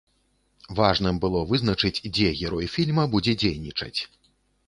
Важным было вызначыць, дзе герой фільма будзе дзейнічаць.